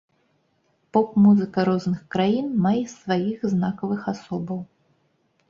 Поп-музыка розных краін мае сваіх знакавых асобаў.